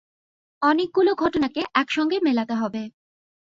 অনেকগুলো ঘটনাকে একসঙ্গে মেলাতে হবে।